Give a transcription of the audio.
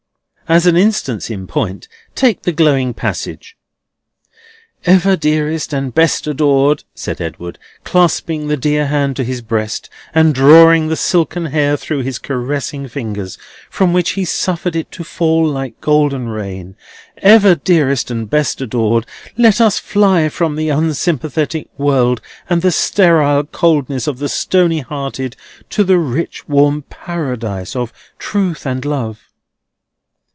As an instance in point, take the glowing passage: "Ever dearest and best adored,—said Edward, clasping the dear head to his breast, and drawing the silken hair through his caressing fingers, from which he suffered it to fall like golden rain,—ever dearest and best adored, let us fly from the unsympathetic world and the sterile coldness of the stony hearted, to the rich warm Paradise of Trust and Love."